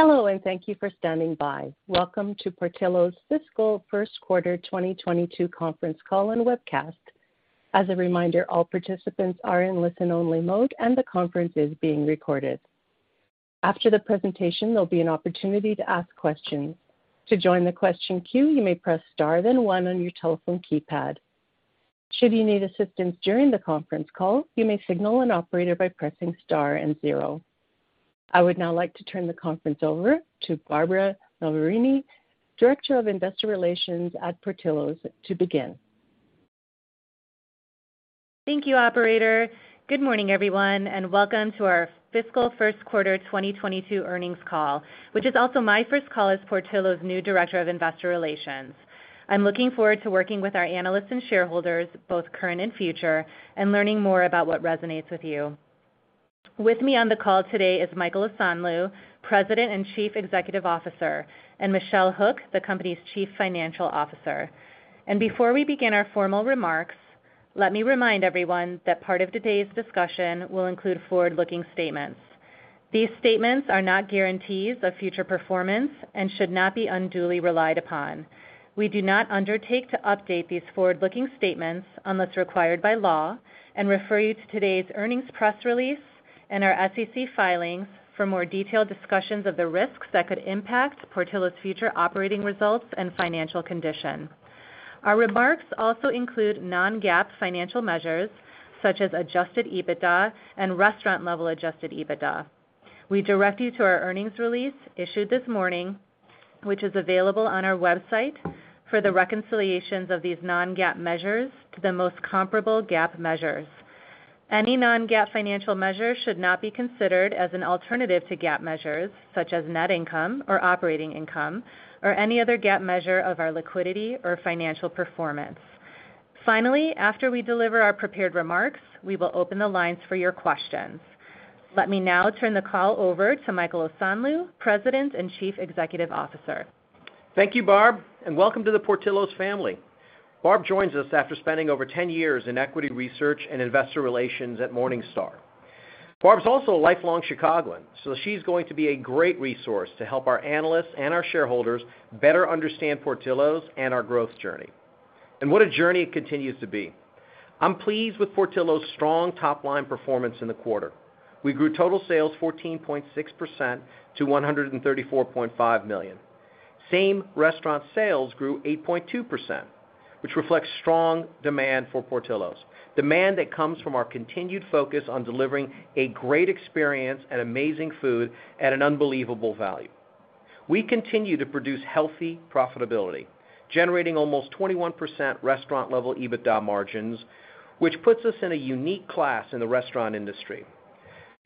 Hello, and thank you for standing by. Welcome to Portillo's Fiscal First Quarter 2022 conference call and webcast. As a reminder, all participants are in listen-only mode, and the conference is being recorded. After the presentation, there'll be an opportunity to ask questions. To join the question queue, you may press Star, then one on your telephone keypad. Should you need assistance during the conference call, you may signal an operator by pressing star and zero. I would now like to turn the conference over to Barbara Noverini, Director of Investor Relations at Portillo's, to begin. Thank you, operator. Good morning, everyone, and welcome to our fiscal first quarter 2022 earnings call, which is also my first call as Portillo's new Director of Investor Relations. I'm looking forward to working with our analysts and shareholders, both current and future, and learning more about what resonates with you. With me on the call today is Michael Osanloo, President and Chief Executive Officer, and Michelle Hook, the company's Chief Financial Officer. Before we begin our formal remarks, let me remind everyone that part of today's discussion will include forward-looking statements. These statements are not guarantees of future performance and should not be unduly relied upon. We do not undertake to update these forward-looking statements unless required by law and refer you to today's earnings press release and our SEC filings for more detailed discussions of the risks that could impact Portillo's future operating results and financial condition. Our remarks also include non-GAAP financial measures, such as adjusted EBITDA and Restaurant-Level adjusted EBITDA. We direct you to our earnings release issued this morning, which is available on our website for the reconciliations of these non-GAAP measures to the most comparable GAAP measures. Any non-GAAP financial measure should not be considered as an alternative to GAAP measures such as net income or operating income or any other GAAP measure of our liquidity or financial performance. Finally, after we deliver our prepared remarks, we will open the lines for your questions. Let me now turn the call over to Michael Osanloo, President and Chief Executive Officer. Thank you, Barb, and welcome to the Portillo's family. Barb joins us after spending over 10 years in equity research and investor relations at Morningstar. Barb is also a lifelong Chicagoan, so she's going to be a great resource to help our analysts and our shareholders better understand Portillo's and our growth journey. What a journey it continues to be. I'm pleased with Portillo's strong top-line performance in the quarter. We grew total sales 14.6% to $134.5 million. Same-restaurant sales grew 8.2%, which reflects strong demand for Portillo's, demand that comes from our continued focus on delivering a great experience and amazing food at an unbelievable value. We continue to produce healthy profitability, generating almost 21% restaurant-level EBITDA margins, which puts us in a unique class in the restaurant industry.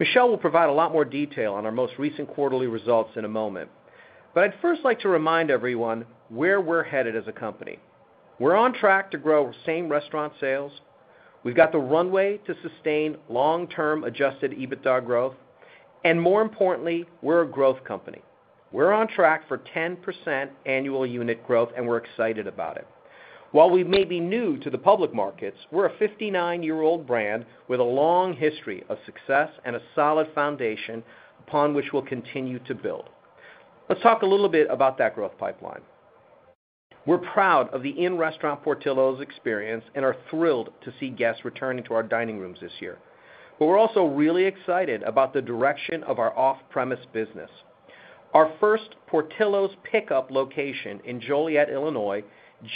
Michelle will provide a lot more detail on our most recent quarterly results in a moment, but I'd first like to remind everyone where we're headed as a company. We're on track to grow same-restaurant sales. We've got the runway to sustain long-term adjusted EBITDA growth, and more importantly, we're a growth company. We're on track for 10% annual unit growth, and we're excited about it. While we may be new to the public markets, we're a 59-year-old brand with a long history of success and a solid foundation upon which we'll continue to build. Let's talk a little bit about that growth pipeline. We're proud of the in-restaurant Portillo's experience and are thrilled to see guests returning to our dining rooms this year. We're also really excited about the direction of our off-premise business. Our first Portillo's pickup location in Joliet, Illinois,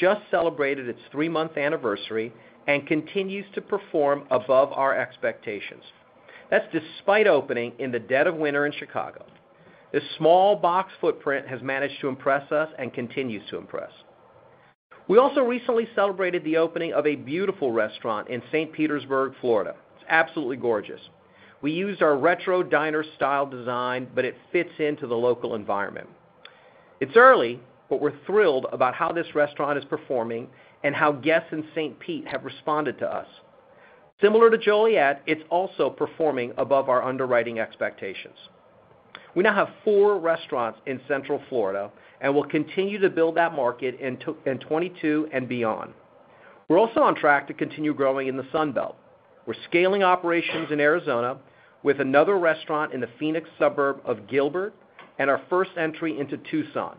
just celebrated its three-month anniversary and continues to perform above our expectations. That's despite opening in the dead of winter in Chicago. This small-box footprint has managed to impress us and continues to impress. We also recently celebrated the opening of a beautiful restaurant in St. Petersburg, Florida. It's absolutely gorgeous. We used our retro diner-style design, but it fits into the local environment. It's early, but we're thrilled about how this restaurant is performing and how guests in St. Pete have responded to us. Similar to Joliet, it's also performing above our underwriting expectations. We now have four restaurants in Central Florida, and we'll continue to build that market in 2022 and beyond. We're also on track to continue growing in the Sun Belt. We're scaling operations in Arizona with another restaurant in the Phoenix suburb of Gilbert and our first entry into Tucson,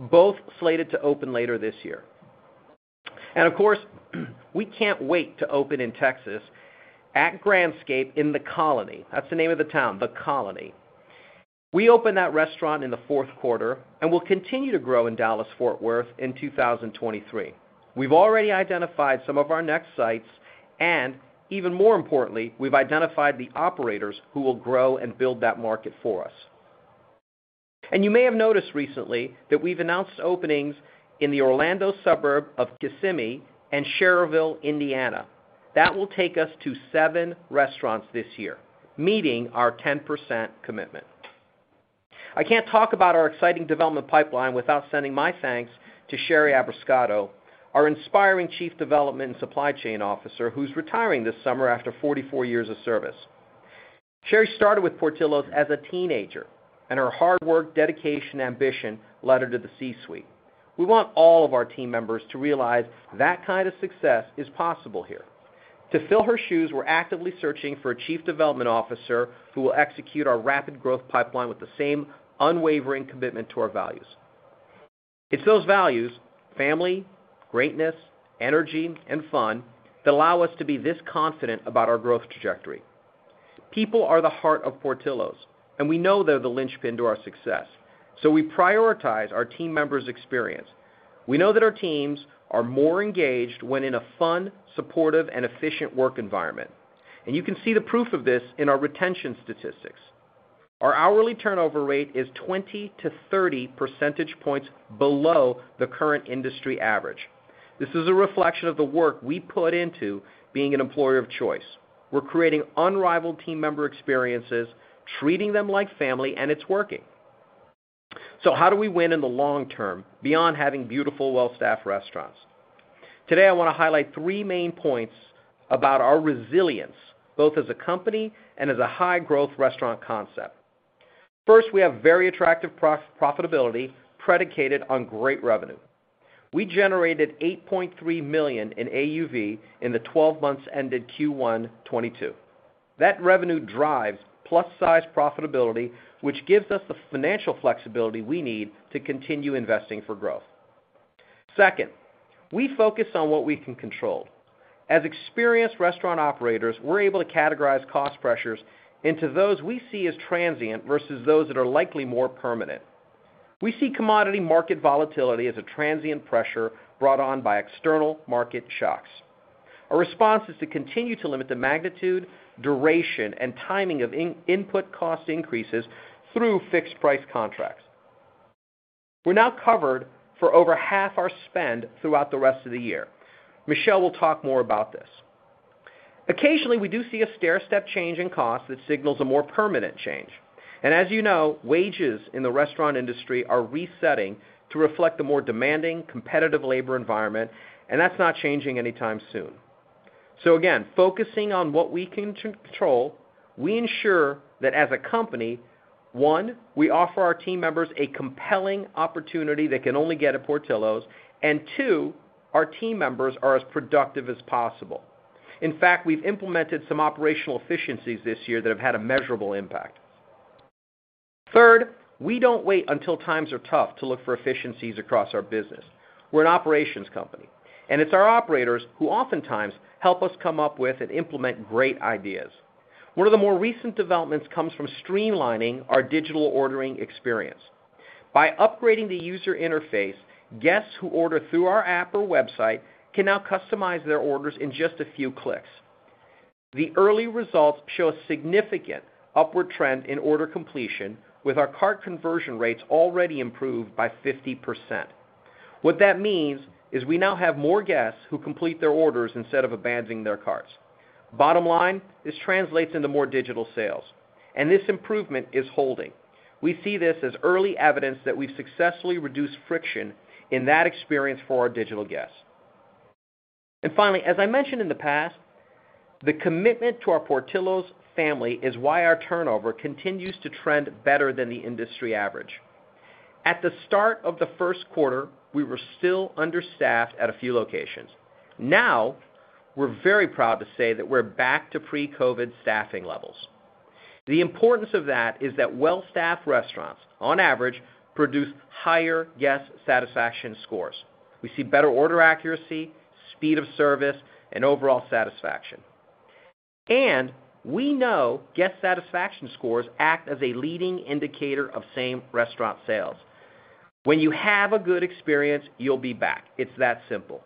both slated to open later this year. Of course, we can't wait to open in Texas at Grandscape in The Colony. That's the name of the town, The Colony. We open that restaurant in the fourth quarter and will continue to grow in Dallas-Fort Worth in 2023. We've already identified some of our next sites, and even more importantly, we've identified the operators who will grow and build that market for us. You may have noticed recently that we've announced openings in the Orlando suburb of Kissimmee and Schererville, Indiana. That will take us to seven restaurants this year, meeting our 10% commitment. I can't talk about our exciting development pipeline without sending my thanks to Sherri Abruscato, our inspiring Chief Development and Supply Chain Officer, who's retiring this summer after 44 years of service. Sherri started with Portillo's as a teenager, and her hard work, dedication, ambition led her to the C-suite. We want all of our team members to realize that kind of success is possible here. To fill her shoes, we're actively searching for a chief development officer who will execute our rapid growth pipeline with the same unwavering commitment to our values. It's those values, family, greatness, energy, and fun, that allow us to be this confident about our growth trajectory. People are the heart of Portillo's, and we know they're the linchpin to our success. We prioritize our team members' experience. We know that our teams are more engaged when in a fun, supportive, and efficient work environment. You can see the proof of this in our retention statistics. Our hourly turnover rate is 20-30 percentage points below the current industry average. This is a reflection of the work we put into being an employer of choice. We're creating unrivaled team member experiences, treating them like family, and it's working. How do we win in the long term beyond having beautiful, well-staffed restaurants? Today, I wanna highlight three main points about our resilience, both as a company and as a high-growth restaurant concept. First, we have very attractive profitability predicated on great revenue. We generated $8.3 million in AUV in the twelve months ended Q1 2022. That revenue drives plus-size profitability, which gives us the financial flexibility we need to continue investing for growth. Second, we focus on what we can control. As experienced restaurant operators, we're able to categorize cost pressures into those we see as transient versus those that are likely more permanent. We see commodity market volatility as a transient pressure brought on by external market shocks. Our response is to continue to limit the magnitude, duration, and timing of input cost increases through fixed-price contracts. We're now covered for over half our spend throughout the rest of the year. Michelle will talk more about this. Occasionally, we do see a stairstep change in cost that signals a more permanent change. As you know, wages in the restaurant industry are resetting to reflect the more demanding, competitive labor environment, and that's not changing anytime soon. Again, focusing on what we can control, we ensure that as a company, one, we offer our team members a compelling opportunity they can only get at Portillo's, and two, our team members are as productive as possible. In fact, we've implemented some operational efficiencies this year that have had a measurable impact. Third, we don't wait until times are tough to look for efficiencies across our business. We're an operations company, and it's our operators who oftentimes help us come up with and implement great ideas. One of the more recent developments comes from streamlining our digital ordering experience. By upgrading the user interface, guests who order through our app or website can now customize their orders in just a few clicks. The early results show a significant upward trend in order completion, with our cart conversion rates already improved by 50%. What that means is we now have more guests who complete their orders instead of abandoning their carts. Bottom line, this translates into more digital sales, and this improvement is holding. We see this as early evidence that we've successfully reduced friction in that experience for our digital guests. Finally, as I mentioned in the past, the commitment to our Portillo's family is why our turnover continues to trend better than the industry average. At the start of the first quarter, we were still understaffed at a few locations. Now, we're very proud to say that we're back to pre-COVID staffing levels. The importance of that is that well-staffed restaurants, on average, produce higher guest satisfaction scores. We see better order accuracy, speed of service, and overall satisfaction. We know guest satisfaction scores act as a leading indicator of same-restaurant sales. When you have a good experience, you'll be back. It's that simple.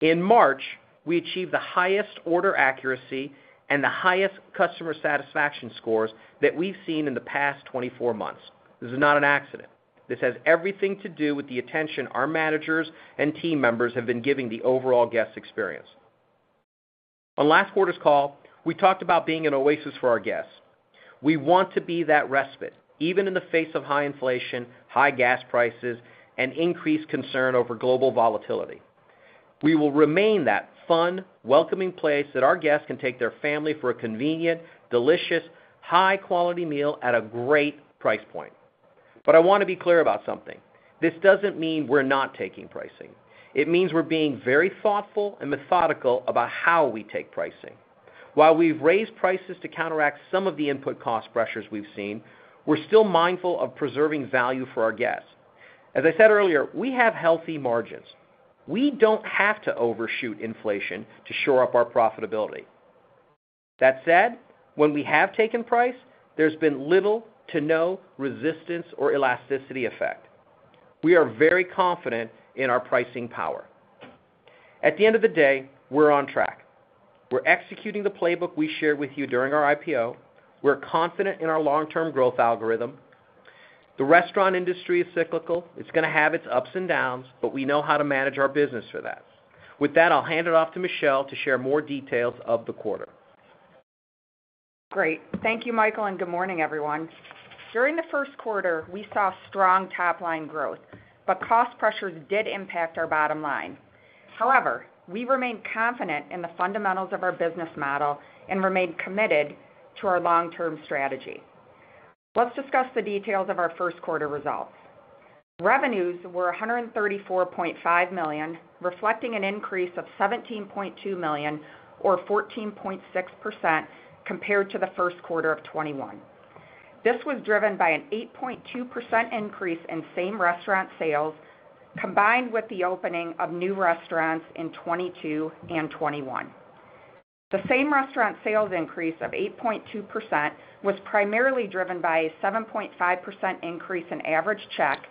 In March, we achieved the highest order accuracy and the highest customer satisfaction scores that we've seen in the past 24 months. This is not an accident. This has everything to do with the attention our managers and team members have been giving the overall guest experience. On last quarter's call, we talked about being an oasis for our guests. We want to be that respite, even in the face of high inflation, high gas prices, and increased concern over global volatility. We will remain that fun, welcoming place that our guests can take their family for a convenient, delicious, high-quality meal at a great price point. I wanna be clear about something. This doesn't mean we're not taking pricing. It means we're being very thoughtful and methodical about how we take pricing. While we've raised prices to counteract some of the input cost pressures we've seen, we're still mindful of preserving value for our guests. As I said earlier, we have healthy margins. We don't have to overshoot inflation to shore up our profitability. That said, when we have taken price, there's been little to no resistance or elasticity effect. We are very confident in our pricing power. At the end of the day, we're on track. We're executing the playbook we shared with you during our IPO. We're confident in our long-term growth algorithm. The restaurant industry is cyclical. It's gonna have its ups and downs, but we know how to manage our business for that. With that, I'll hand it off to Michelle to share more details of the quarter. Great. Thank you, Michael, and good morning, everyone. During the first quarter, we saw strong top-line growth, but cost pressures did impact our bottom line. However, we remain confident in the fundamentals of our business model and remain committed to our long-term strategy. Let's discuss the details of our first quarter results. Revenues were $134.5 million, reflecting an increase of $17.2 million or 14.6% compared to the first quarter of 2021. This was driven by an 8.2% increase in same-restaurant sales, combined with the opening of new restaurants in 2022 and 2021. The same-restaurant sales increase of 8.2% was primarily driven by a 7.5% increase in average check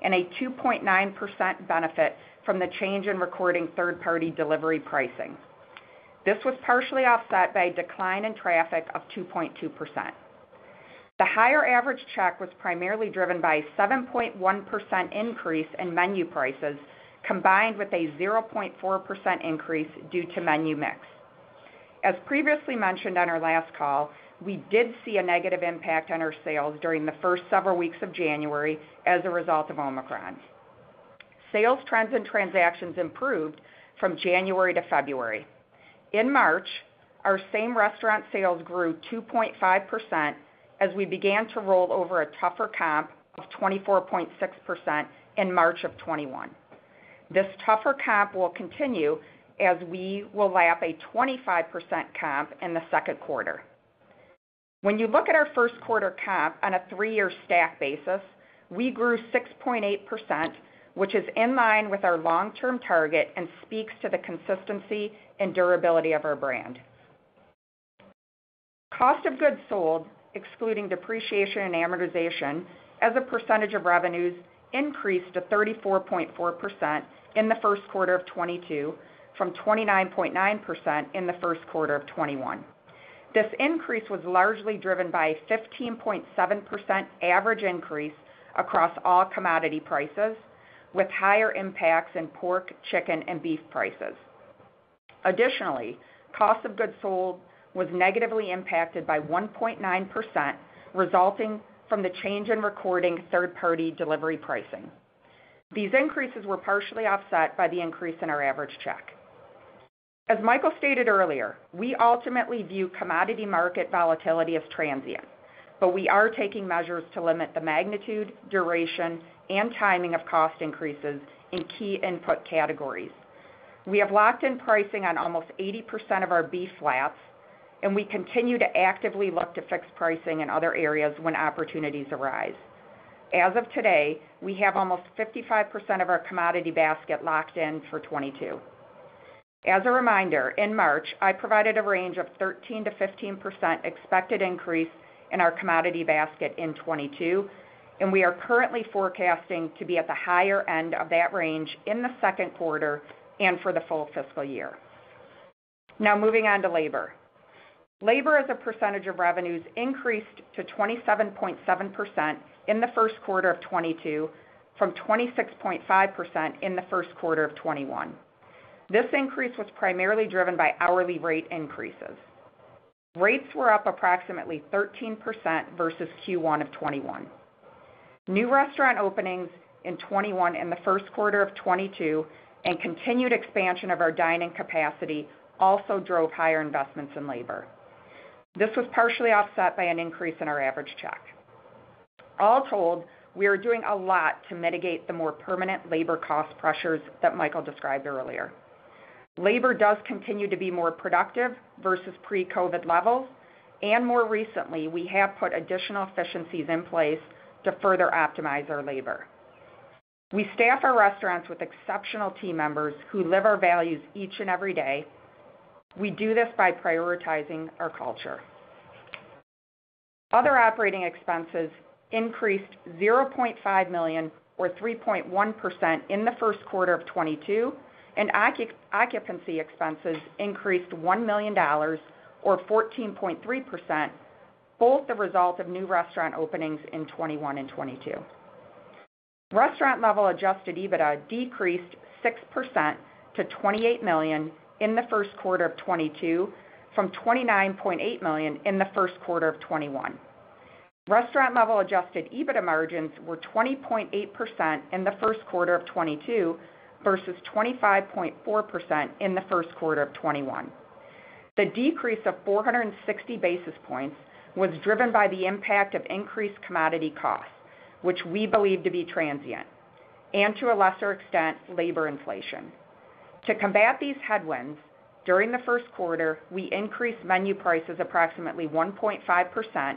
and a 2.9% benefit from the change in recording third-party delivery pricing. This was partially offset by a decline in traffic of 2.2%. The higher average check was primarily driven by 7.1% increase in menu prices, combined with a 0.4% increase due to menu mix. As previously mentioned on our last call, we did see a negative impact on our sales during the first several weeks of January as a result of Omicron. Sales trends and transactions improved from January to February. In March, our same-restaurant sales grew 2.5% as we began to roll over a tougher comp of 24.6% in March 2021. This tougher comp will continue as we will lap a 25% comp in the second quarter. When you look at our first quarter comp on a three-year stack basis, we grew 6.8%, which is in line with our long-term target and speaks to the consistency and durability of our brand. Cost of goods sold, excluding depreciation and amortization as a percentage of revenues increased to 34.4% in the first quarter of 2022 from 29.9% in the first quarter of 2021. This increase was largely driven by a 15.7% average increase across all commodity prices, with higher impacts in pork, chicken, and beef prices. Additionally, cost of goods sold was negatively impacted by 1.9%, resulting from the change in recording third-party delivery pricing. These increases were partially offset by the increase in our average check. As Michael stated earlier, we ultimately view commodity market volatility as transient, but we are taking measures to limit the magnitude, duration, and timing of cost increases in key input categories. We have locked in pricing on almost 80% of our beef flats, and we continue to actively look to fix pricing in other areas when opportunities arise. As of today, we have almost 55% of our commodity basket locked in for 2022. As a reminder, in March, I provided a range of 13%-15% expected increase in our commodity basket in 2022, and we are currently forecasting to be at the higher end of that range in the second quarter and for the full fiscal year. Now, moving on to labor. Labor as a percentage of revenues increased to 27.7% in the first quarter of 2022 from 26.5% in the first quarter of 2021. This increase was primarily driven by hourly rate increases. Rates were up approximately 13% versus Q1 of 2021. New restaurant openings in 2021, in the first quarter of 2022, and continued expansion of our dining capacity also drove higher investments in labor. This was partially offset by an increase in our average check. All told, we are doing a lot to mitigate the more permanent labor cost pressures that Michael described earlier. Labor does continue to be more productive versus pre-COVID levels, and more recently, we have put additional efficiencies in place to further optimize our labor. We staff our restaurants with exceptional team members who live our values each and every day. We do this by prioritizing our culture. Other operating expenses increased $0.5 million or 3.1% in the first quarter of 2022, and occupancy expenses increased $1 million or 14.3%, both the result of new restaurant openings in 2021 and 2022. Restaurant-Level adjusted EBITDA decreased 6% to $28 million in the first quarter of 2022 from $29.8 million in the first quarter of 2021. Restaurant-Level adjusted EBITDA margins were 20% in the first quarter of 2022 versus 25.4% in the first quarter of 2021. The decrease of 460 basis points was driven by the impact of increased commodity costs, which we believe to be transient, and to a lesser extent, labor inflation. To combat these headwinds, during the first quarter, we increased menu prices approximately 1.5%,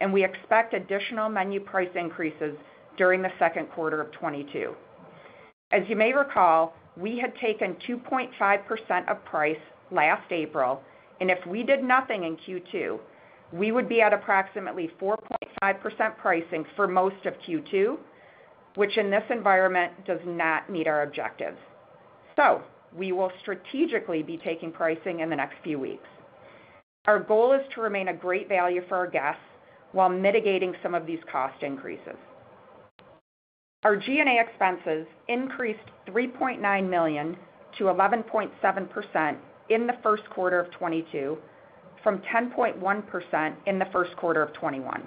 and we expect additional menu price increases during the second quarter of 2022. As you may recall, we had taken 2.5% of price last April, and if we did nothing in Q2, we would be at approximately 4.5% pricing for most of Q2, which in this environment does not meet our objectives. We will strategically be taking pricing in the next few weeks. Our goal is to remain a great value for our guests while mitigating some of these cost increases. Our G&A expenses increased $3.9 million to 11.7% in the first quarter of 2022 from 10.1% in the first quarter of 2021.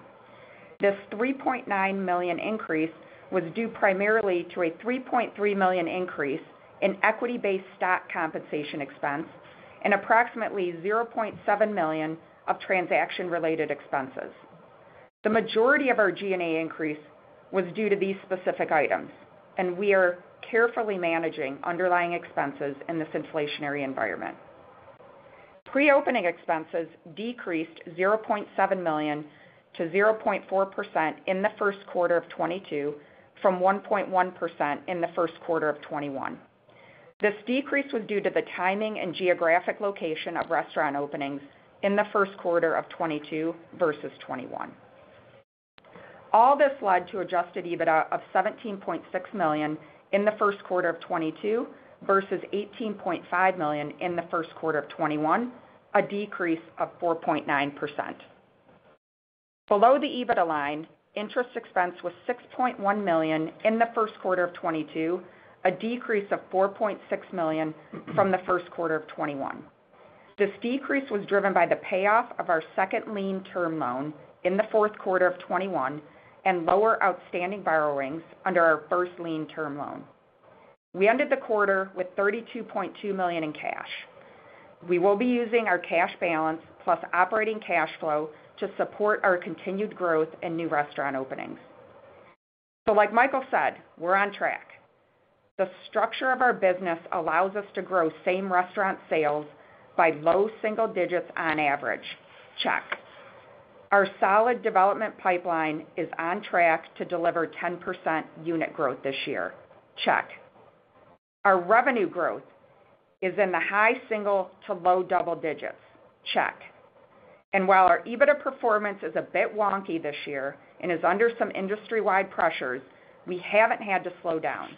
This $3.9 million increase was due primarily to a $3.3 million increase in equity-based stock compensation expense and approximately $0.7 million of transaction-related expenses. The majority of our G&A increase was due to these specific items, and we are carefully managing underlying expenses in this inflationary environment. Pre-opening expenses decreased $0.7 million to 0.4% in the first quarter of 2022 from 1.1% in the first quarter of 2021. This decrease was due to the timing and geographic location of restaurant openings in the first quarter of 2022 versus 2021. All this led to adjusted EBITDA of $17.6 million in the first quarter of 2022 versus $18.5 million in the first quarter of 2021, a decrease of 4.9%. Below the EBITDA line, interest expense was $6.1 million in the first quarter of 2022, a decrease of $4.6 million from the first quarter of 2021. This decrease was driven by the payoff of our second-lien term loan in the fourth quarter of 2021 and lower outstanding borrowings under our first-lien term loan. We ended the quarter with $32.2 million in cash. We will be using our cash balance plus operating cash flow to support our continued growth and new restaurant openings. Like Michael said, we're on track. The structure of our business allows us to grow same-restaurant sales by low-single digits on average. Check. Our solid development pipeline is on track to deliver 10% unit growth this year. Check. Our revenue growth is in the high single- to low double-digit. Check. While our EBITDA performance is a bit wonky this year and is under some industry-wide pressures, we haven't had to slow down,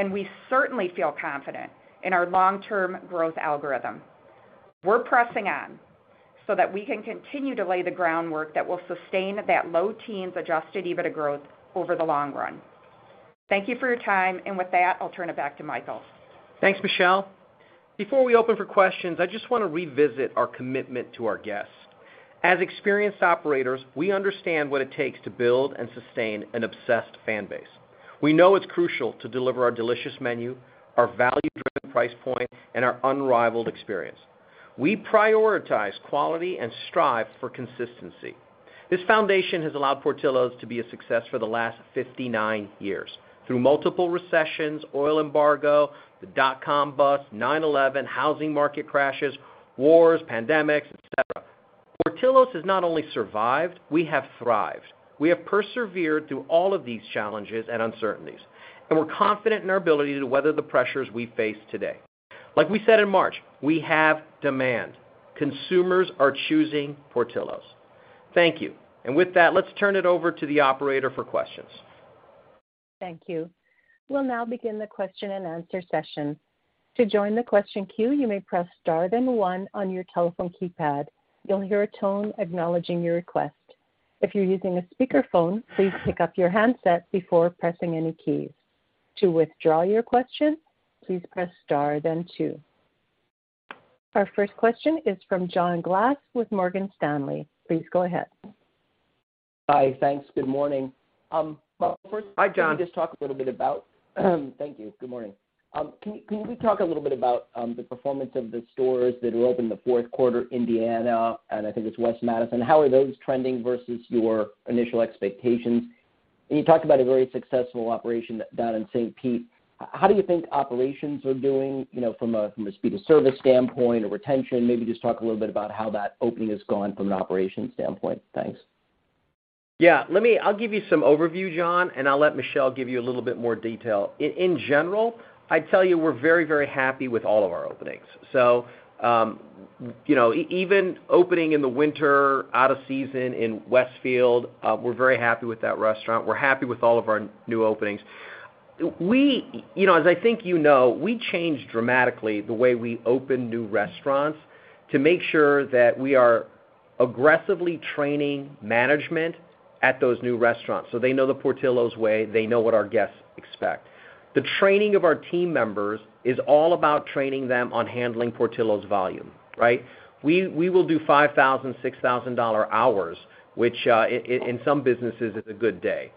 and we certainly feel confident in our long-term growth algorithm. We're pressing on so that we can continue to lay the groundwork that will sustain that low teens adjusted EBITDA growth over the long run. Thank you for your time, and with that, I'll turn it back to Michael. Thanks, Michelle. Before we open for questions, I just want to revisit our commitment to our guests. As experienced operators, we understand what it takes to build and sustain an obsessed fan base. We know it's crucial to deliver our delicious menu, our value-driven price point, and our unrivaled experience. We prioritize quality and strive for consistency. This foundation has allowed Portillo's to be a success for the last 59 years through multiple recessions, oil embargo, the dot-com bust, 9/11, housing market crashes, wars, pandemics, et cetera. Portillo's has not only survived, we have thrived. We have persevered through all of these challenges and uncertainties, and we're confident in our ability to weather the pressures we face today. Like we said in March, we have demand. Consumers are choosing Portillo's. Thank you. With that, let's turn it over to the operator for questions. Thank you. We'll now begin the question-and-answer session. To join the question queue, you may press star then one on your telephone keypad. You'll hear a tone acknowledging your request. If you're using a speakerphone, please pick up your handset before pressing any keys. To withdraw your question, please press star then two. Our first question is from John Glass with Morgan Stanley. Please go ahead. Hi. Thanks. Good morning. Well, first Hi, John. Thank you. Good morning. Can we talk a little bit about the performance of the stores that were opened in the fourth quarter, Indiana, and I think it's West Madison? How are those trending versus your initial expectations? You talked about a very successful operation down in St. Pete. How do you think operations are doing, you know, from a speed of service standpoint or retention? Maybe just talk a little bit about how that opening has gone from an operations standpoint. Thanks. Yeah. Let me. I'll give you some overview, John, and I'll let Michelle give you a little bit more detail. In general, I'd tell you we're very, very happy with all of our openings. You know, even opening in the winter out of season in Westfield, we're very happy with that restaurant. We're happy with all of our new openings. You know, as I think you know, we changed dramatically the way we open new restaurants to make sure that we are aggressively training management at those new restaurants, so they know the Portillo's way, they know what our guests expect. The training of our team members is all about training them on handling Portillo's volume, right? We will do $5,000-$6,000 hours, which, in some businesses, is a good day.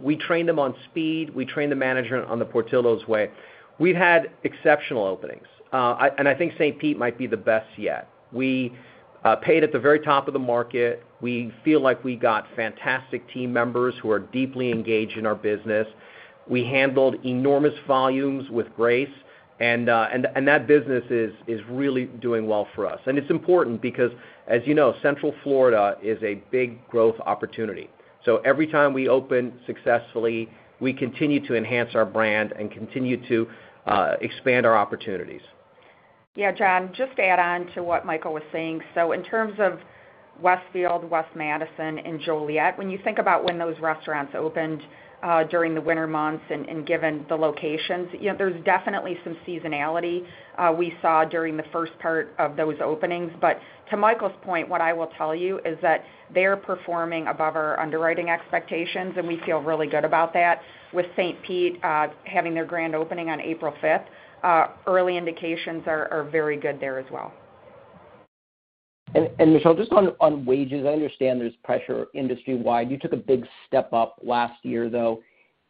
We train them on speed, we train the management on the Portillo's way. We've had exceptional openings. I think St. Pete might be the best yet. We paid at the very top of the market. We feel like we got fantastic team members who are deeply engaged in our business. We handled enormous volumes with grace, and that business is really doing well for us. It's important because, as you know, Central Florida is a big growth opportunity. Every time we open successfully, we continue to enhance our brand and continue to expand our opportunities. Yeah, John, just to add on to what Michael was saying. In terms of Westfield, West Madison, and Joliet, when you think about when those restaurants opened during the winter months and given the locations, you know, there's definitely some seasonality we saw during the first part of those openings. But to Michael's point, what I will tell you is that they are performing above our underwriting expectations, and we feel really good about that. With St. Pete having their grand opening on April 5th, early indications are very good there as well. Michelle, just on wages, I understand there's pressure industry-wide. You took a big step up last year, though.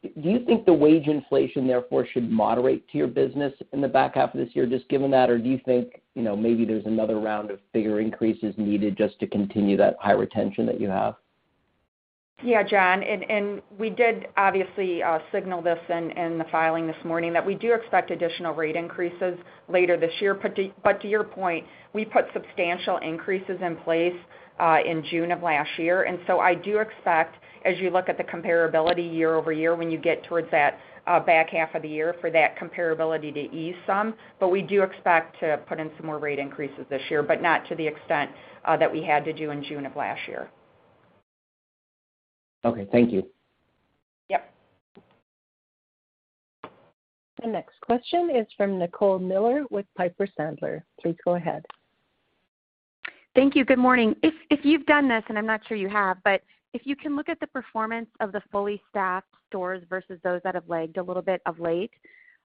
Do you think the wage inflation therefore should moderate to your business in the back half of this year just given that? Or do you think, you know, maybe there's another round of bigger increases needed just to continue that high retention that you have? Yeah, John. We did obviously signal this in the filing this morning that we do expect additional rate increases later this year. To your point, we put substantial increases in place in June of last year. I do expect as you look at the comparability year-over-year, when you get towards that back half of the year for that comparability to ease some. We do expect to put in some more rate increases this year, but not to the extent that we had to do in June of last year. Okay. Thank you. Yep. The next question is from Nicole Miller Regan with Piper Sandler. Please go ahead. Thank you. Good morning. If you've done this, and I'm not sure you have, but if you can look at the performance of the fully staffed stores versus those that have lagged a little bit of late,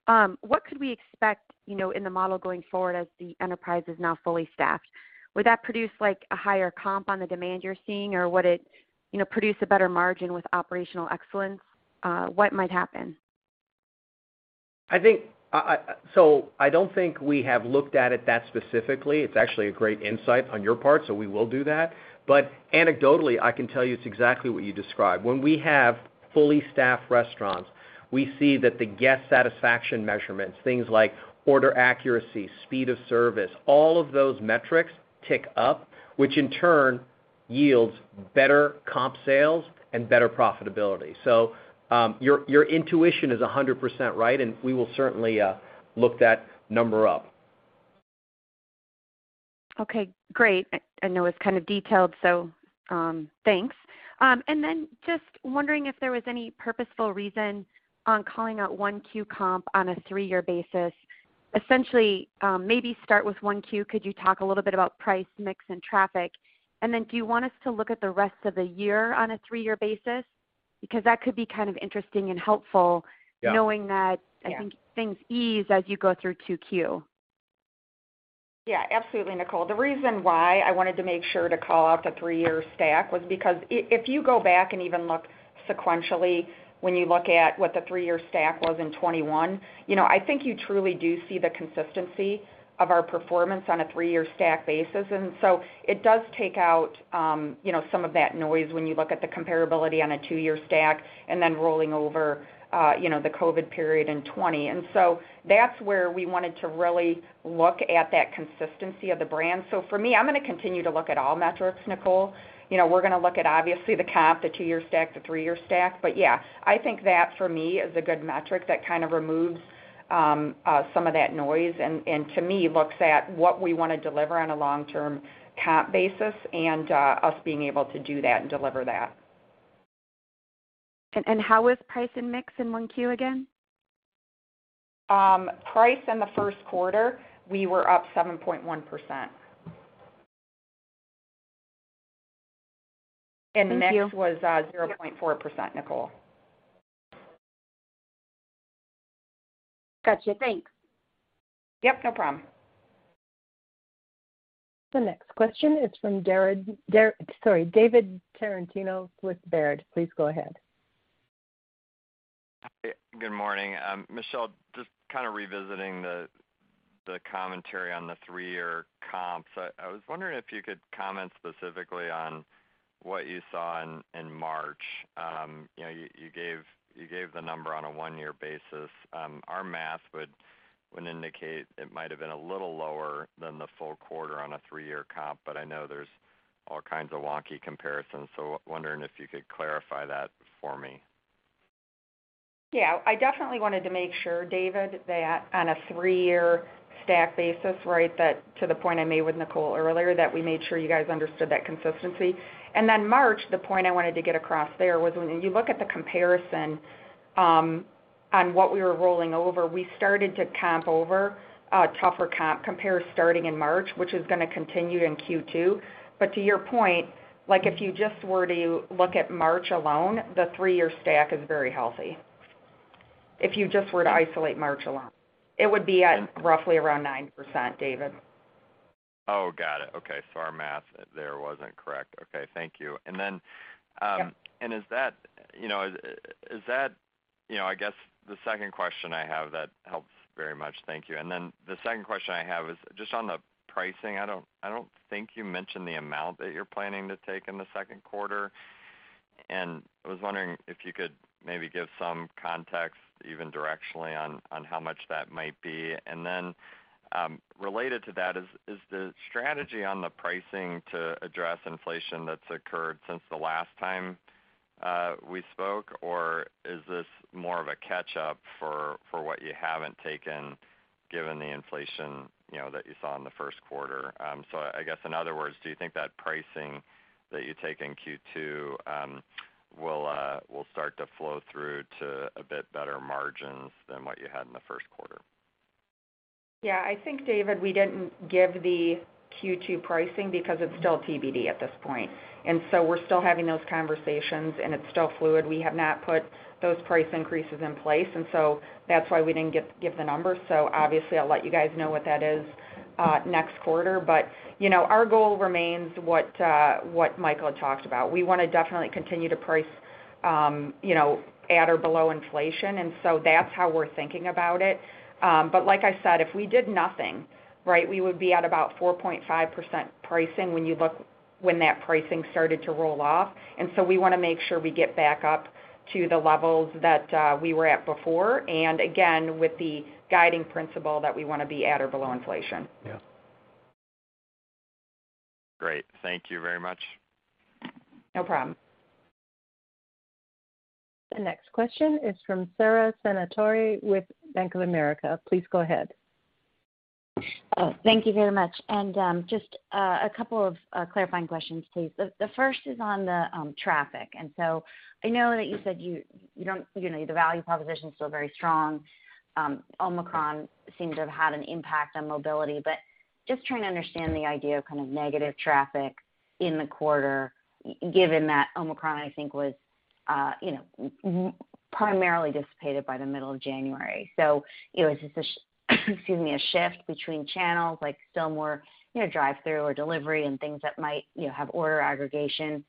what could we expect, you know, in the model going forward as the enterprise is now fully staffed? Would that produce like a higher comp on the demand you're seeing? Or would it, you know, produce a better margin with operational excellence? What might happen? I don't think we have looked at it that specifically. It's actually a great insight on your part, so we will do that. Anecdotally, I can tell you it's exactly what you described. When we have fully staffed restaurants, we see that the guest satisfaction measurements, things like order accuracy, speed of service, all of those metrics tick up, which in turn yields better comp sales and better profitability. Your intuition is 100% right, and we will certainly look that number up. Okay, great. I know it's kind of detailed, so, thanks. Just wondering if there was any purposeful reason on calling out 1Q comp on a three-year basis. Essentially, maybe start with 1Q, could you talk a little bit about price mix and traffic? Do you want us to look at the rest of the year on a three-year basis? Because that could be kind of interesting and helpful. Yeah. Knowing that, I think things ease as you go through 2Q. Yeah, absolutely, Nicole. The reason why I wanted to make sure to call out the three-year stack was because if you go back and even look sequentially, when you look at what the three-year stack was in 2021, you know, I think you truly do see the consistency of our performance on a three-year stack basis. It does take out, you know, some of that noise when you look at the comparability on a two-year stack and then rolling over, you know, the COVID period in 2020. That's where we wanted to really look at that consistency of the brand. For me, I'm gonna continue to look at all metrics, Nicole. You know, we're gonna look at obviously the comp, the two-year stack, the three-year stack. Yeah, I think that for me is a good metric that kind of removes some of that noise and to me looks at what we wanna deliver on a long-term comp basis and us being able to do that and deliver that. How was price and mix in 1Q again? Price in the first quarter, we were up 7.1%. Thank you. Mix was 0.4%, Nicole. Gotcha. Thanks. Yep, no problem. The next question is from David Tarantino with Baird. Please go ahead. Hi. Good morning. Michelle, just kind of revisiting the commentary on the three-year comps. I was wondering if you could comment specifically on what you saw in March. You know, you gave the number on a one-year basis. Our math would indicate it might have been a little lower than the full quarter on a three-year comp, but I know there's all kinds of wonky comparisons. Wondering if you could clarify that for me. Yeah. I definitely wanted to make sure, David, that on a three-year stack basis, right, that to the point I made with Nicole earlier, that we made sure you guys understood that consistency. March, the point I wanted to get across there was when you look at the comparison, on what we were rolling over, we started to comp over a tougher comp compare starting in March, which is gonna continue in Q2. To your point, like, if you just were to look at March alone, the three-year stack is very healthy. If you just were to isolate March alone, it would be at roughly around 9%, David. Oh, got it. Okay. Our math there wasn't correct. Okay. Thank you. Yep. I guess the second question I have, that helps very much. Thank you. The second question I have is just on the pricing. I don't think you mentioned the amount that you're planning to take in the second quarter. I was wondering if you could maybe give some context even directionally on how much that might be. Related to that is the strategy on the pricing to address inflation that's occurred since the last time we spoke, or is this more of a catch up for what you haven't taken given the inflation you know, that you saw in the first quarter? I guess in other words, do you think that pricing that you take in Q2 will start to flow through to a bit better margins than what you had in the first quarter? Yeah, I think, David, we didn't give the Q2 pricing because it's still TBD at this point. We're still having those conversations, and it's still fluid. We have not put those price increases in place, that's why we didn't give the numbers. Obviously, I'll let you guys know what that is next quarter. Our goal remains what Michael had talked about. We wanna definitely continue to price, you know, at or below inflation, that's how we're thinking about it. Like I said, if we did nothing, right, we would be at about 4.5% pricing when that pricing started to roll off. We wanna make sure we get back up to the levels that we were at before. With the guiding principle that we wanna be at or below inflation. Yeah. Great. Thank you very much. No problem. The next question is from Sara Senatore with Bank of America. Please go ahead. Oh, thank you very much. Just a couple of clarifying questions, please. The first is on the traffic. I know that you said you know, the value proposition is still very strong. Omicron seems to have had an impact on mobility, but just trying to understand the idea of kind of negative traffic in the quarter given that Omicron, I think, was, you know, primarily dissipated by the middle of January. It was just a, excuse me, a shift between channels, like still more, you know, drive-through or delivery and things that might, you know, have order aggregation.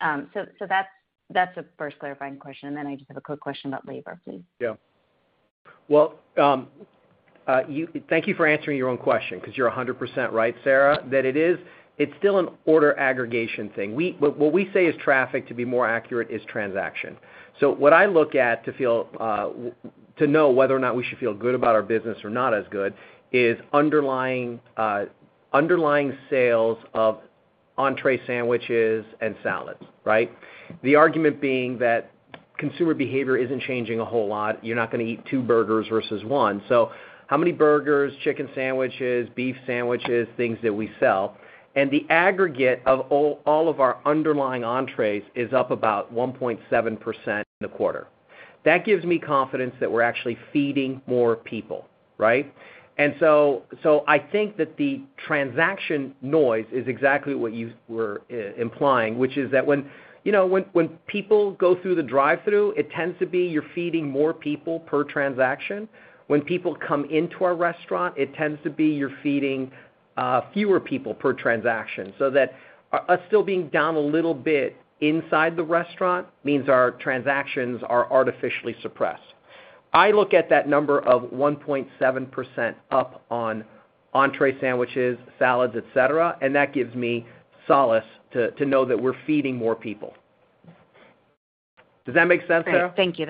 That's the first clarifying question, and then I just have a quick question about labor, please. Thank you for answering your own question 'cause you're 100% right, Sara, that it is. It's still an order aggregation thing. What we say is traffic, to be more accurate, is transaction. So what I look at to feel to know whether or not we should feel good about our business or not as good is underlying sales of entree sandwiches and salads, right? The argument being that consumer behavior isn't changing a whole lot. You're not gonna eat two burgers versus one. So how many burgers, chicken sandwiches, beef sandwiches, things that we sell. The aggregate of all of our underlying entrees is up about 1.7% in the quarter. That gives me confidence that we're actually feeding more people, right? I think that the transaction noise is exactly what you were implying, which is that, you know, when people go through the drive-through, it tends to be you're feeding more people per transaction. When people come into our restaurant, it tends to be you're feeding fewer people per transaction. So that's us still being down a little bit inside the restaurant means our transactions are artificially suppressed. I look at that number of 1.7% up on entree sandwiches, salads, et cetera, and that gives me solace to know that we're feeding more people. Does that make sense, Sara? Thank you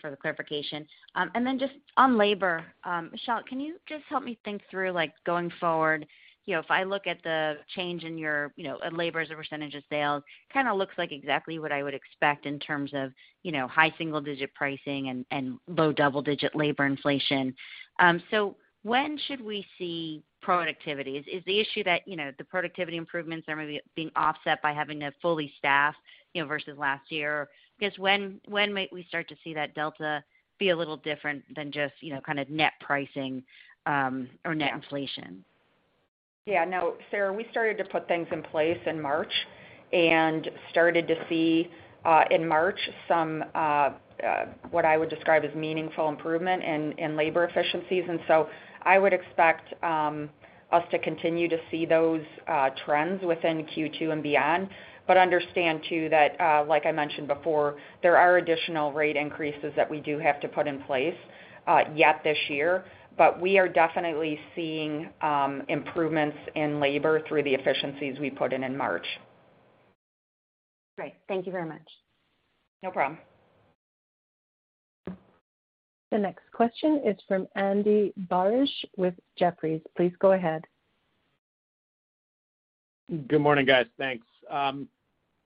for the clarification. Then just on labor, Michelle, can you just help me think through, like going forward, you know, if I look at the change in your, you know, labor as a percentage of sales, kind of looks like exactly what I would expect in terms of, you know, high-single-digit pricing and low double-digit labor inflation. When should we see productivity? Is the issue that, you know, the productivity improvements are maybe being offset by having to fully staff, you know, versus last year? I guess when might we start to see that delta be a little different than just, you know, kind of net pricing or net inflation? Yeah. No, Sara, we started to put things in place in March and started to see in March some what I would describe as meaningful improvement in labor efficiencies. I would expect us to continue to see those trends within Q2 and beyond. Understand too that, like I mentioned before, there are additional rate increases that we do have to put in place yet this year. We are definitely seeing improvements in labor through the efficiencies we put in in March. Great. Thank you very much. No problem. The next question is from Andy Barish with Jefferies. Please go ahead. Good morning, guys. Thanks.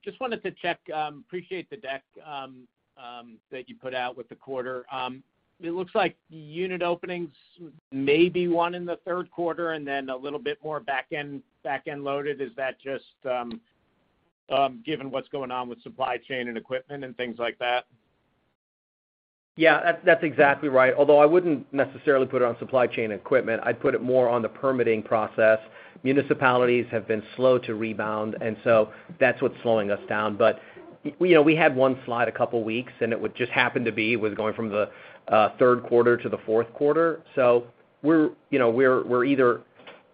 Just wanted to check, appreciate the deck that you put out with the quarter. It looks like unit openings may be one in the third quarter and then a little bit more back-end loaded. Is that just given what's going on with supply chain and equipment and things like that? Yeah, that's exactly right. Although I wouldn't necessarily put it on supply chain and equipment, I'd put it more on the permitting process. Municipalities have been slow to rebound, and so that's what's slowing us down. You know, we had one slide a couple weeks, and it would just happen to be. It was going from the third quarter to the fourth quarter. You know, we've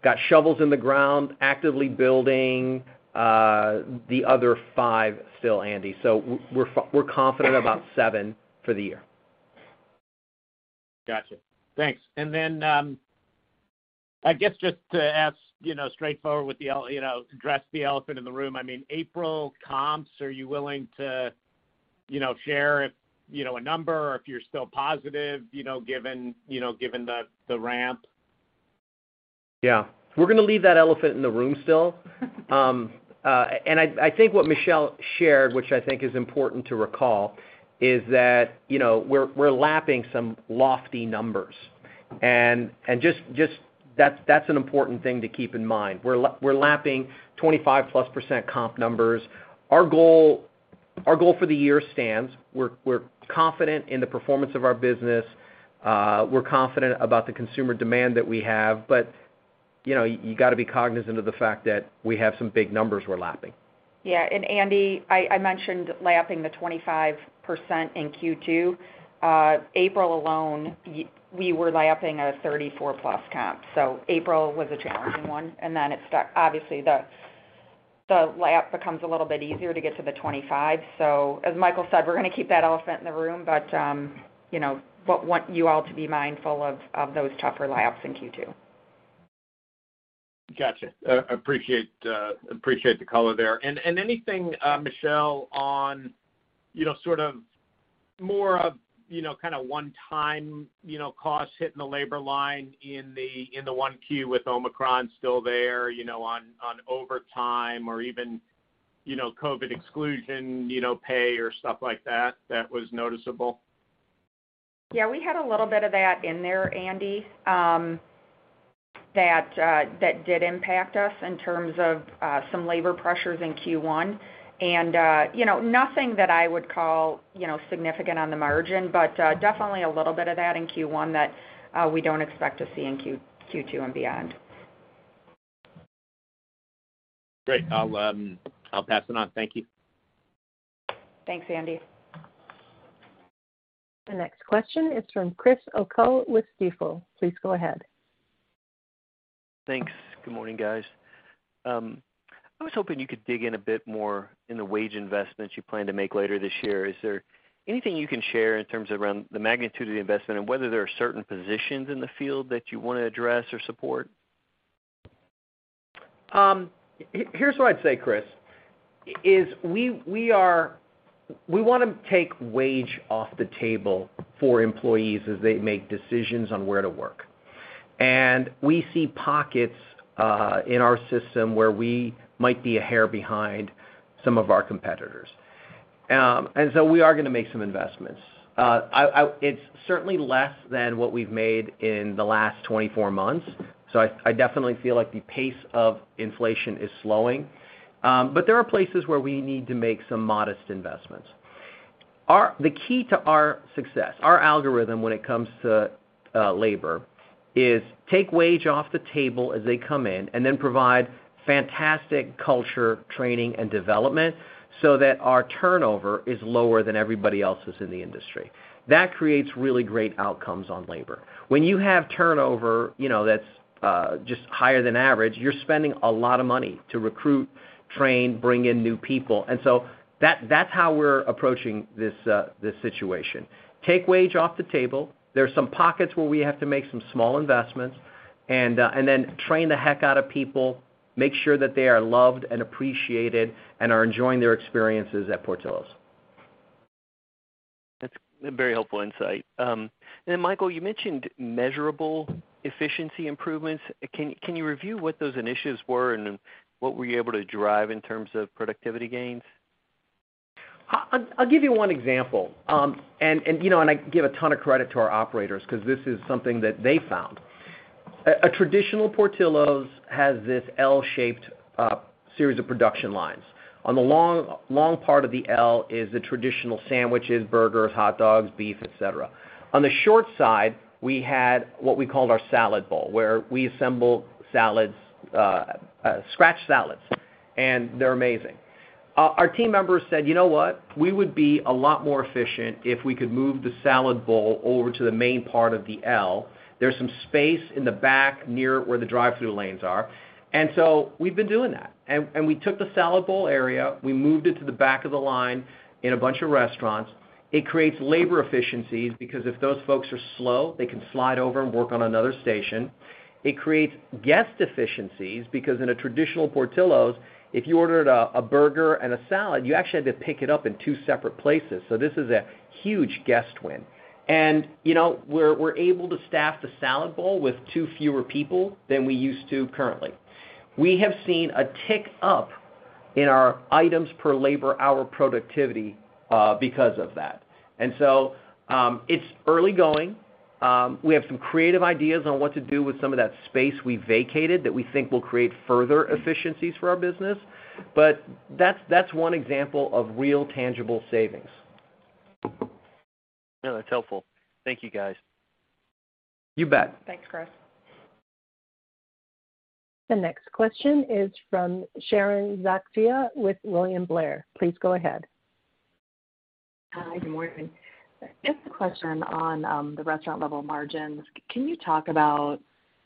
got shovels in the ground actively building the other five still, Andy. We're confident about seven for the year. Gotcha. Thanks. I guess just to ask, you know, straightforward with the elephant in the room. I mean, April comps, are you willing to, you know, share if, you know, a number or if you're still positive, you know, given the ramp? Yeah. We're gonna leave that elephant in the room still. I think what Michelle shared, which I think is important to recall, is that, you know, we're lapping some lofty numbers. Just, that's an important thing to keep in mind. We're lapping 25%+ comp numbers. Our goal for the year stands. We're confident in the performance of our business. We're confident about the consumer demand that we have. You know, you gotta be cognizant of the fact that we have some big numbers we're lapping. Yeah. Andy, I mentioned lapping the 25% in Q2. April alone, we were lapping a 34+ comp. April was a challenging one, and then obviously, the lap becomes a little bit easier to get to the 25. As Michael said, we're gonna keep that elephant in the room, but you know, but want you all to be mindful of those tougher laps in Q2. Gotcha. Appreciate the color there. Anything, Michelle, on, you know, sort of more of, you know, kinda one-time, you know, costs hitting the labor line in the 1Q with Omicron still there, you know, on overtime or even, you know, COVID exclusion, you know, pay or stuff like that that was noticeable? Yeah. We had a little bit of that in there, Andy, that did impact us in terms of some labor pressures in Q1. You know, nothing that I would call, you know, significant on the margin, but definitely a little bit of that in Q1 that we don't expect to see in Q2 and beyond. Great. I'll pass it on. Thank you. Thanks, Andy. The next question is from Chris O'Cull with Stifel. Please go ahead. Thanks. Good morning, guys. I was hoping you could dig in a bit more in the wage investments you plan to make later this year. Is there anything you can share in terms around the magnitude of the investment and whether there are certain positions in the field that you wanna address or support? Here's what I'd say, Chris, is we want to take wage off the table for employees as they make decisions on where to work. We see pockets in our system where we might be a hair behind some of our competitors. We are going to make some investments. It's certainly less than what we've made in the last 24 months, so I definitely feel like the pace of inflation is slowing. There are places where we need to make some modest investments. The key to our success, our algorithm when it comes to labor, is take wage off the table as they come in, and then provide fantastic culture, training, and development so that our turnover is lower than everybody else's in the industry. That creates really great outcomes on labor. When you have turnover, you know, that's just higher than average. You're spending a lot of money to recruit, train, bring in new people. That's how we're approaching this situation. Take wage off the table. There are some pockets where we have to make some small investments and then train the heck out of people, make sure that they are loved and appreciated and are enjoying their experiences at Portillo's. That's a very helpful insight. Michael, you mentioned measurable efficiency improvements. Can you review what those initiatives were and what were you able to drive in terms of productivity gains? I'll give you one example. You know, I give a ton of credit to our operators 'cause this is something that they found. A traditional Portillo's has this L-shaped series of production lines. On the long part of the L is the traditional sandwiches, burgers, hot dogs, beef, et cetera. On the short side, we had what we called our salad bowl, where we assembled salads, scratch salads, and they're amazing. Our team members said, "You know what? We would be a lot more efficient if we could move the salad bowl over to the main part of the L. There's some space in the back near where the drive-through lanes are." We've been doing that. We took the salad bowl area, we moved it to the back of the line in a bunch of restaurants. It creates labor efficiencies because if those folks are slow, they can slide over and work on another station. It creates guest efficiencies because in a traditional Portillo's, if you ordered a burger and a salad, you actually had to pick it up in two separate places. This is a huge guest win. You know, we're able to staff the salad bowl with two fewer people than we used to currently. We have seen a tick up in our items per labor hour productivity because of that. It's early going. We have some creative ideas on what to do with some of that space we vacated that we think will create further efficiencies for our business. That's one example of real tangible savings. No, that's helpful. Thank you, guys. You bet. Thanks, Chris. The next question is from Sharon Zackfia with William Blair. Please go ahead. Hi. Good morning. Just a question on the restaurant-level margins. Can you talk about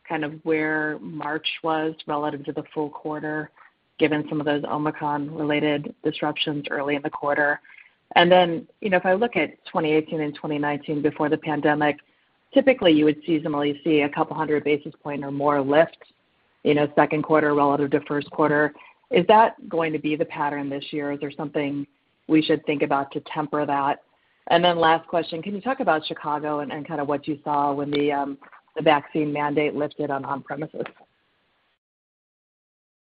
kind of where March was relative to the full quarter, given some of those Omicron-related disruptions early in the quarter? You know, if I look at 2018 and 2019 before the pandemic, typically, you would seasonally see a couple hundred basis points or more lift, you know, second quarter relative to first quarter. Is that going to be the pattern this year? Is there something we should think about to temper that? Last question, can you talk about Chicago and kind of what you saw when the vaccine mandate lifted on on-premises?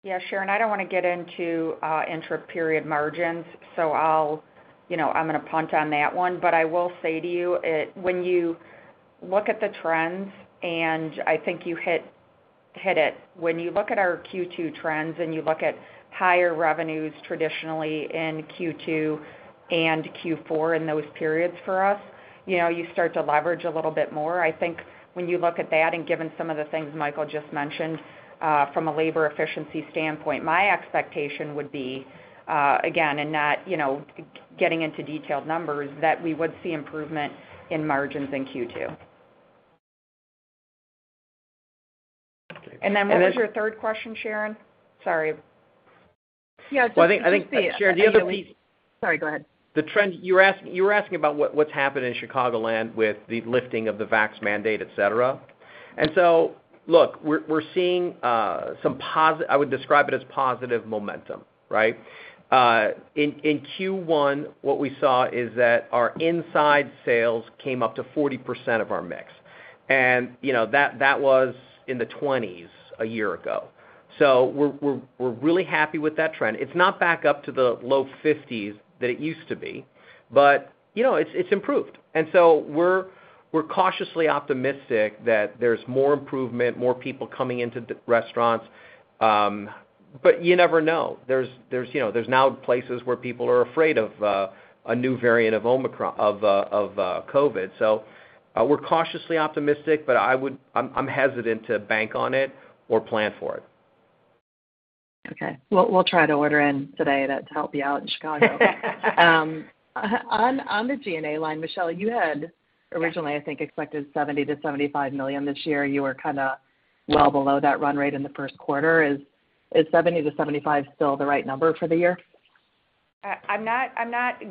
Yeah. Sharon, I don't wanna get into intra-period margins, so I'll, you know, I'm gonna punt on that one. I will say to you, it. When you look at the trends, and I think you hit it. When you look at our Q2 trends, and you look at higher revenues traditionally in Q2 and Q4, in those periods for us, you know, you start to leverage a little bit more. I think when you look at that, and given some of the things Michael just mentioned, from a labor efficiency standpoint, my expectation would be, again, and not, you know, getting into detailed numbers, that we would see improvement in margins in Q2. Okay. What was your third question, Sharon? Sorry. Yeah, just. Well, I think, Sharon, the other lead- Sorry, go ahead. The trend you were asking about what's happened in Chicagoland with the lifting of the vax mandate, et cetera. Look, I would describe it as positive momentum, right? In Q1, what we saw is that our inside sales came up to 40% of our mix. You know, that was in the 20s a year ago. We're really happy with that trend. It's not back up to the low 50s that it used to be, but you know, it's improved. We're cautiously optimistic that there's more improvement, more people coming into the restaurants, but you never know. There's you know, now places where people are afraid of a new variant, Omicron, of COVID. We're cautiously optimistic, but I'm hesitant to bank on it or plan for it. Okay. We'll try to order in today to help you out in Chicago. On the G&A line, Michelle, you had originally, I think, expected $70 million-$75 million this year. You were kinda well below that run rate in the first quarter. Is $70 million-$75 million still the right number for the year? I'm not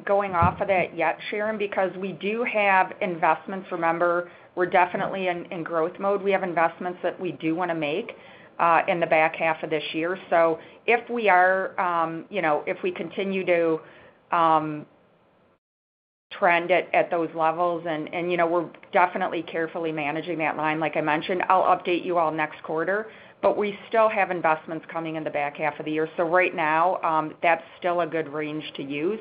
going off of that yet, Sharon, because we do have investments. Remember, we're definitely in growth mode. We have investments that we do wanna make in the back half of this year. If we are, you know, if we continue to trend at those levels and you know, we're definitely carefully managing that line, like I mentioned, I'll update you all next quarter. We still have investments coming in the back half of the year. Right now, that's still a good range to use.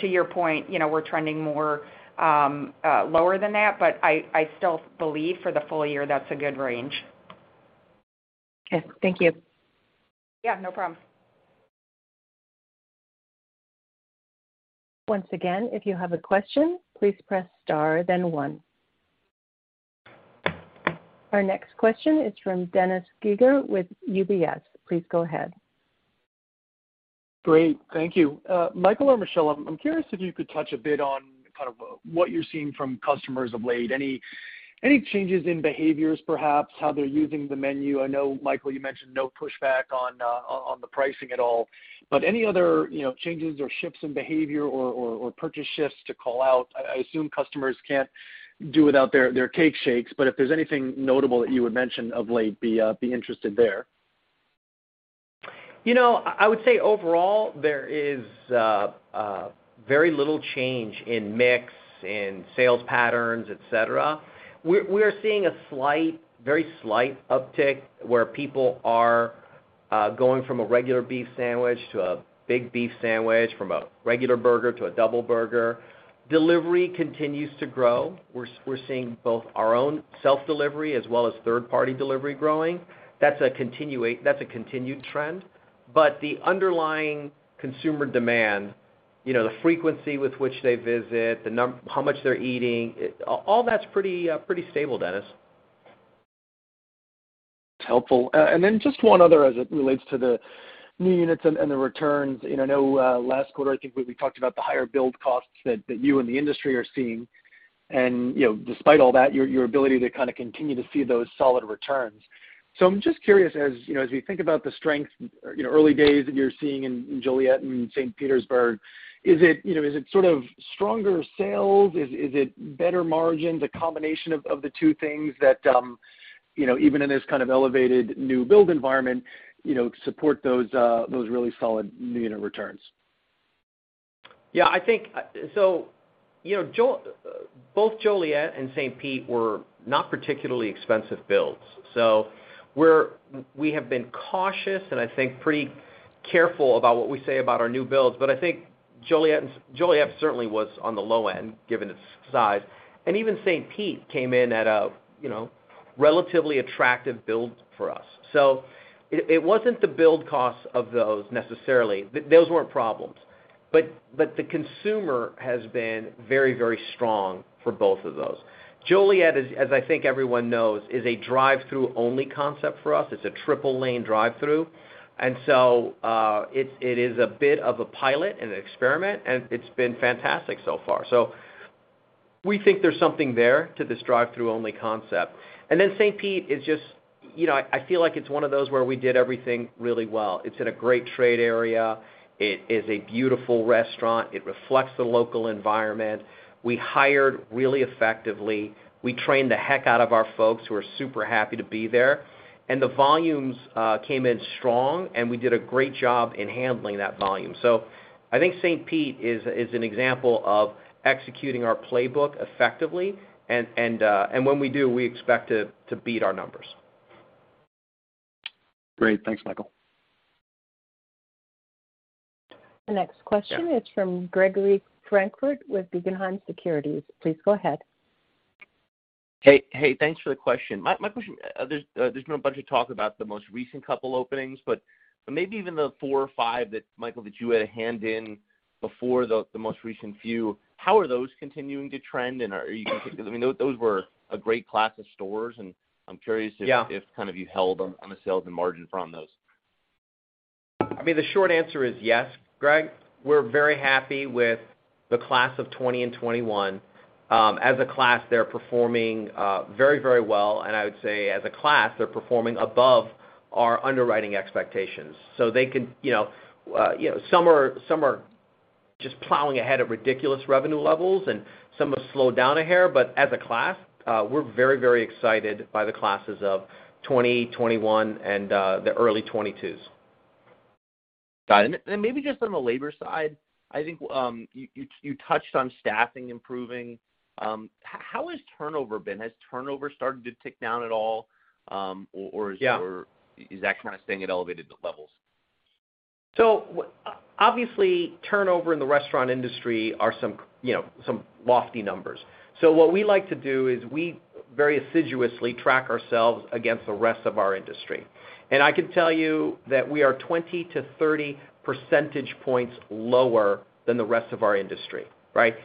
To your point, you know, we're trending more lower than that. I still believe for the full year that's a good range. Okay. Thank you. Yeah, no problem. Once again, if you have a question, please press star then one. Our next question is from Dennis Geiger with UBS. Please go ahead. Great. Thank you. Michael or Michelle, I'm curious if you could touch a bit on kind of what you're seeing from customers of late. Any changes in behaviors, perhaps how they're using the menu? I know, Michael, you mentioned no pushback on the pricing at all. But any other, you know, changes or shifts in behavior or purchase shifts to call out? I assume customers can't do without their Shake Shakes, but if there's anything notable that you would mention of late, be interested there. You know, I would say overall there is very little change in mix, in sales patterns, et cetera. We are seeing a slight, very slight uptick where people are going from a regular beef sandwich to a big beef sandwich, from a regular burger to a double burger. Delivery continues to grow. We're seeing both our own self-delivery as well as third-party delivery growing. That's a continued trend. The underlying consumer demand, you know, the frequency with which they visit, how much they're eating, all that's pretty stable, Dennis. That's helpful. Just one other as it relates to the new units and the returns. You know, I know last quarter, I think we talked about the higher build costs that you and the industry are seeing. You know, despite all that, your ability to kind of continue to see those solid returns. I'm just curious, as you know as we think about the strength, you know, early days that you're seeing in Joliet and St. Petersburg, is it you know is it sort of stronger sales? Is it better margins, a combination of the two things that you know even in this kind of elevated new build environment, you know, support those really solid new unit returns? You know, both Joliet and St. Pete were not particularly expensive builds. We have been cautious and I think pretty careful about what we say about our new builds. I think Joliet certainly was on the low end, given its size. Even St. Pete came in at a, you know, relatively attractive build for us. It wasn't the build cost of those necessarily. Those weren't problems. The consumer has been very, very strong for both of those. Joliet is, as I think everyone knows, a drive-through-only concept for us. It's a triple-lane drive-through. It is a bit of a pilot and an experiment, and it's been fantastic so far. We think there's something there to this drive-through-only concept. St. Pete is just, you know, I feel like it's one of those where we did everything really well. It's in a great trade area. It is a beautiful restaurant. It reflects the local environment. We hired really effectively. We trained the heck out of our folks who are super happy to be there. The volumes came in strong, and we did a great job in handling that volume. I think St. Pete is an example of executing our playbook effectively. When we do, we expect to beat our numbers. Great. Thanks, Michael. The next question is from Gregory Francfort with Guggenheim Securities. Please go ahead. Hey, thanks for the question. My question, there's been a bunch of talk about the most recent couple openings, but maybe even the four or five that, Michael, that you had a hand in before the most recent few, how are those continuing to trend? 'Cause I mean, those were a great class of stores, and I'm curious if- Yeah If kind of you held onto the sales and margin from those. I mean, the short answer is yes, Greg. We're very happy with the class of 2020 and 2021. As a class, they're performing very, very well. I would say, as a class, they're performing above our underwriting expectations. They can, you know, you know, some are just plowing ahead at ridiculous revenue levels, and some have slowed down a hair. As a class, we're very, very excited by the classes of 2020, 2021 and the early 2022s. Got it. Maybe just on the labor side, I think, you touched on staffing improving. How has turnover been? Has turnover started to tick down at all, or is- Yeah Is that kind of staying at elevated levels? Obviously, turnover in the restaurant industry are some, you know, some lofty numbers. What we like to do is we very assiduously track ourselves against the rest of our industry. I can tell you that we are 20-30 percentage points lower than the rest of our industry, right?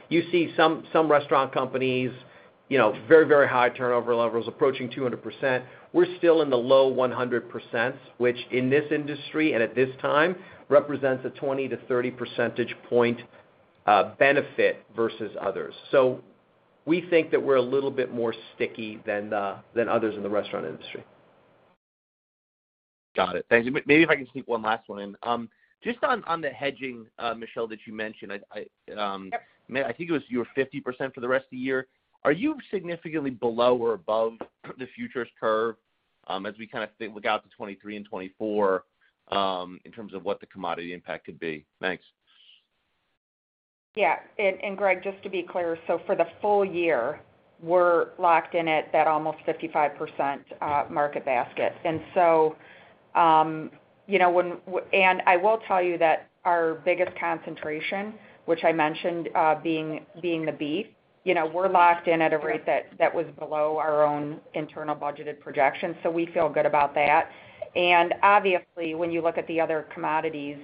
You see some restaurant companies, you know, very, very high turnover levels approaching 200%. We're still in the low 100%s, which in this industry and at this time represents a 20-30 percentage point benefit versus others. We think that we're a little bit more sticky than others in the restaurant industry. Got it. Thank you. Maybe if I can sneak one last one in. Just on the hedging, Michelle, that you mentioned. I Yep I think it was you were 50% for the rest of the year. Are you significantly below or above the futures curve, as we kind of look out to 2023 and 2024, in terms of what the commodity impact could be? Thanks. Yeah. Greg, just to be clear, for the full year, we're locked in at that almost 55% market basket. You know, I will tell you that our biggest concentration, which I mentioned, being the beef, you know, we're locked in at a rate that was below our own internal budgeted projections. We feel good about that. Obviously, when you look at the other commodities,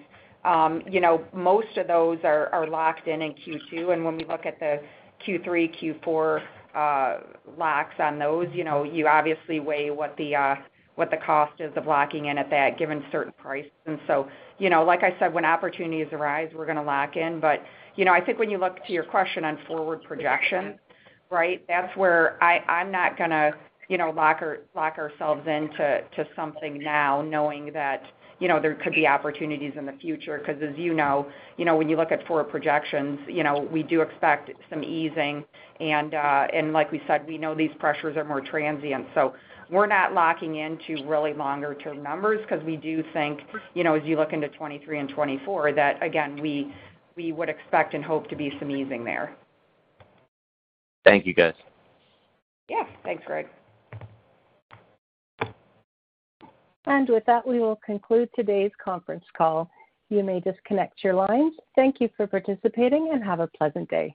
you know, most of those are locked in in Q2. When we look at the Q3, Q4 locks on those, you know, you obviously weigh what the cost is of locking in at that given certain price. You know, like I said, when opportunities arise, we're gonna lock in. You know, I think when you look to your question on forward projection, right? That's where I'm not gonna, you know, lock ourselves in to something now knowing that, you know, there could be opportunities in the future. 'Cause as you know, you know, when you look at forward projections, you know, we do expect some easing. Like we said, we know these pressures are more transient. So we're not locking into really longer-term numbers because we do think, you know, as you look into 2023 and 2024, that again, we would expect and hope to be some easing there. Thank you, guys. Yeah. Thanks, Greg. With that, we will conclude today's conference call. You may disconnect your lines. Thank you for participating, and have a pleasant day.